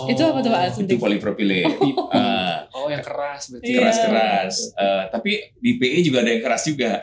itu apa tuh laksuntik itu polipropilin oh yang keras berarti keras keras tapi di pi juga ada yang keras juga